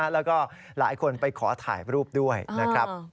แล้วก็หลายคนไปขอถ่ายรูปด้วยนะครับ